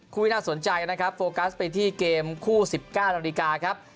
ที่น่าสนใจนะครับโฟกัสไปที่เกมคู่๑๙นาฬิกาครับ